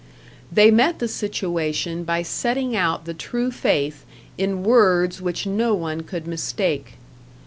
They met the situation by setting out the true faith in words which no one could mistake.